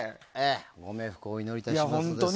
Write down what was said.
ご冥福をお祈りいたします。